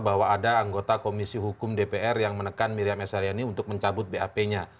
bahwa ada anggota komisi hukum dpr yang menekan miriam s haryani untuk mencabut bap nya